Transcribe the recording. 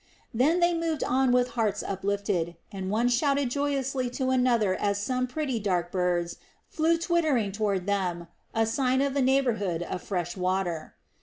Then they moved on with hearts uplifted, and one shouted joyously to another as some pretty dark birds flew twittering toward them, a sign of the neighborhood of fresh water.